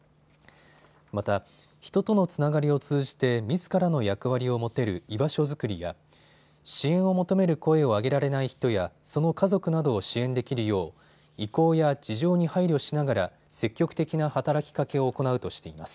また人とのつながりを通じてみずからの役割を持てる居場所づくりや支援を求める声を上げられない人やその家族などを支援できるよう意向や事情に配慮しながら積極的な働きかけを行うとしています。